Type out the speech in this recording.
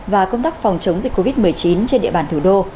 và công tác phòng chống dịch covid một mươi chín trên địa bàn thủ đô